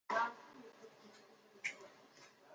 沃德尔朗是法国面积最小的市镇。